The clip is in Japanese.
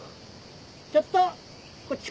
ちょっとこっち来い。